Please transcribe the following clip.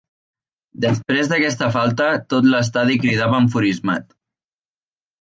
Després d'aquesta falta, tot l'estadi cridava enfurismat.